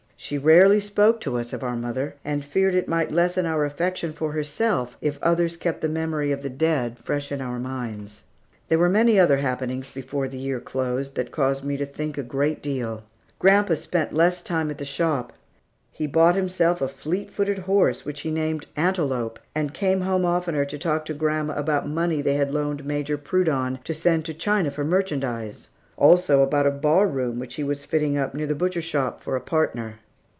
She rarely spoke to us of our mother, and feared it might lessen our affection for herself, if others kept the memory of the dead fresh in our minds. There were many other happenings before the year closed, that caused me to think a great deal. Grandpa spent less time at the shop; he bought himself a fleet footed horse which he named Antelope, and came home oftener to talk to grandma about money they had loaned Major Prudon to send to China for merchandise, also about a bar room which he was fitting up near the butcher shop, for a partner.